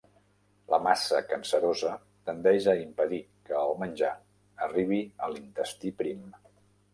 La massa cancerosa tendeix a impedir que el menjar arribi a l'intestí prim.